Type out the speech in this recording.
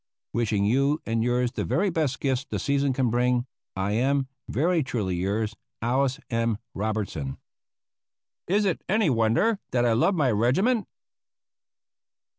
"Wishing you and yours the very best gifts the season can bring, I am, "Very truly yours, "ALICE M. ROBERTSON." Is it any wonder that I loved my regiment?